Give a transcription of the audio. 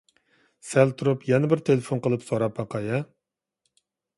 سەل تۇرۇپ يەنە بىر تېلېفون قىلىپ سوراپ باقاي-ھە.